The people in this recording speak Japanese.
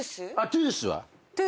・トゥース。